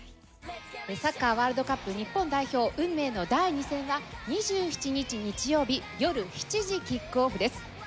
サッカーワールドカップ日本代表運命の第２戦は２７日日曜日よる７時キックオフです。